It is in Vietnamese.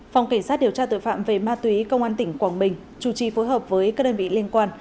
phòng cảnh sát điều tra tội phạm về ma túy công an tỉnh quảng bình chủ trì phối hợp với các đơn vị liên quan